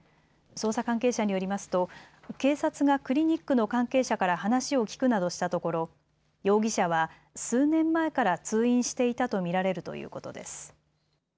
捜査関係者によりますと警察がクリニックの関係者から話を聞くなどしたところ容疑者は数年前から通院していたと見られるということです。